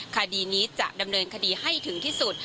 คดีนี้จะดำเนินคดีให้ถึงที่สุด